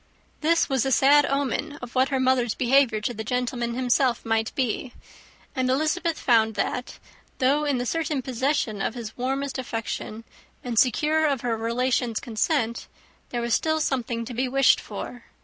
This was a sad omen of what her mother's behaviour to the gentleman himself might be; and Elizabeth found that, though in the certain possession of his warmest affection, and secure of her relations' consent, there was still something to be wished for.